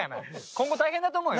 今後大変だと思うよ。